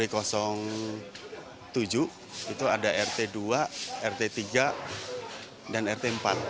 itu ada rt dua rt tiga dan rt empat